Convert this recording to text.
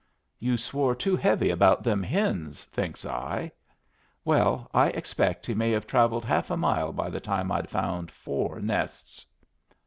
'You swore too heavy about them hens,' thinks I. Well, I expect he may have travelled half a mile by the time I'd found four nests."